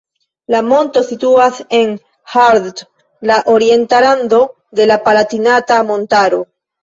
La monto situas en Haardt, la orienta rando de la Palatinata montaro.